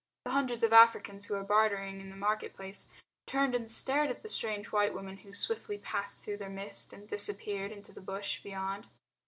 The hundreds of Africans who were bartering in the market place turned and stared at the strange white woman who swiftly passed through their midst and disappeared into the bush beyond.